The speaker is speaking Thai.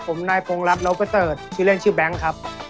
ผมนายพงรัฐนกประเสริฐชื่อเล่นชื่อแบงค์ครับ